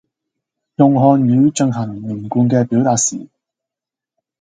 用漢語進行連貫嘅表達時